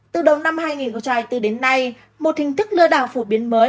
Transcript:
từ đầu năm hai nghìn bốn đến nay một hình thức lừa đảo phổ biến mới